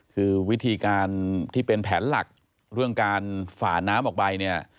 คือวิธีการที่เป็นแผนหลักเรื่องการฝ่าน้ำออกไปเนี่ย